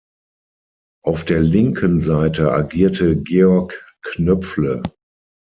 Auf der linken Seite agierte Georg Knöpfle.